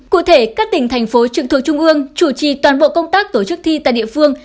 cụ thể các tỉnh thành phố trực thuộc trung ương chủ trì toàn bộ công tác tổ chức thi tại địa phương